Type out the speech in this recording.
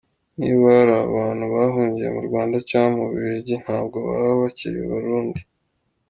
Niba hari abantu bahungiye mu Rwanda cyangwa mu Bubiligi, ntabwo baba bakiri abarundi ?